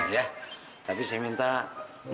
tapi saya minta mbak pergi dari sini